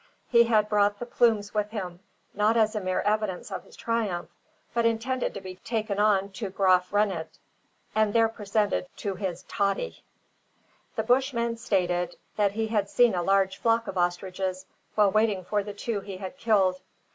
He had brought the plumes with him, not as a mere evidence of his triumph, but intended to be taken on to Graaf Reinet, and there presented to his "Totty." The Bushman stated that he had seen a large flock of ostriches while waiting for the two he had killed.